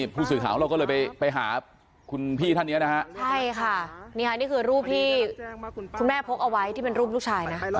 ผู้สื่อข่าวของเราก็เลยไปหาคุณพี่ท่านนี้นะฮะใช่ค่ะนี่ค่ะนี่คือรูปที่คุณแม่พกเอาไว้ที่เป็นรูปลูกชายนะ